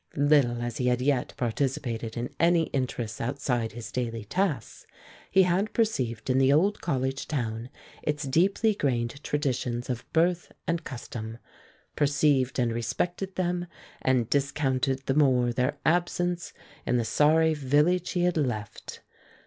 Little as he had yet participated in any interests outside his daily tasks, he had perceived in the old college town its deeply grained traditions of birth and custom, perceived and respected them, and discounted the more their absence in the sorry village he had left.